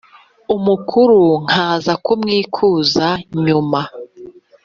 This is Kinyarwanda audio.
umukuru nkaza kumwikuza nyuma